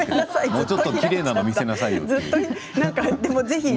もうちょっと、きれいなのを見せなさいよ。